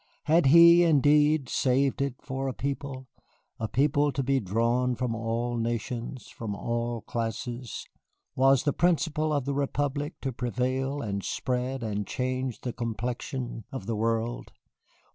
Had He, indeed, saved it for a People, a People to be drawn from all nations, from all classes? Was the principle of the Republic to prevail and spread and change the complexion of the world?